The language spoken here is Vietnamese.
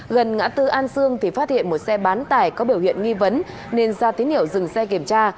gần ngã tư an sương thì phát hiện một xe bán tải có biểu hiện nghi vấn nên ra tín hiệu dừng xe kiểm tra